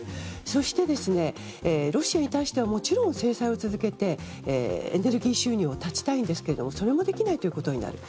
そして、ロシアに対してはもちろん制裁を続けてエネルギー収入を断ちたいんですがそれもできないことになる。